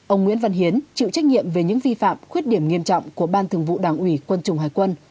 ông nguyễn văn hiến chịu trách nhiệm về những vi phạm khuyết điểm nghiêm trọng của ban thường vụ đảng ủy quân chủng hải quân